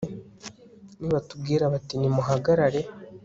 nibatubwira bati nimuhagarare